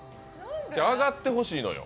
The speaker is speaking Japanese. あがってほしいのよ。